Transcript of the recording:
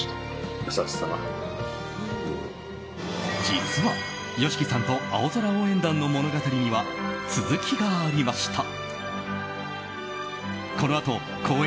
実はＹＯＳＨＩＫＩさんと青空応援団の物語には続きがありました。